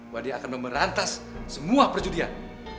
wadih akan memberantas semua perjudian